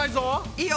いいよ